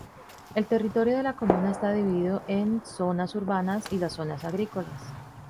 El territorio de la comuna está dividido en zonas urbanas y las zonas agrícolas.